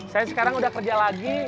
saya sekarang udah kerja lagi